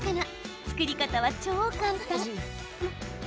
作り方は超簡単。